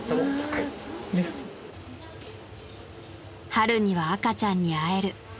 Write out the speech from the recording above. ［春には赤ちゃんに会える］